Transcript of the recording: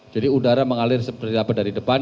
jadi udara mengalir seperti apa dari depan